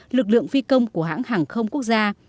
bảy mươi năm lực lượng phi công của hãng hàng không quốc gia